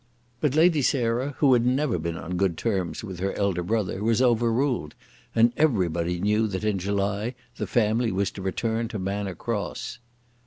But Lady Sarah, who had never been on good terms with her elder brother, was overruled, and everybody knew that in July the family was to return to Manor Cross.